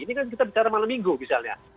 ini kan kita bicara malam minggu misalnya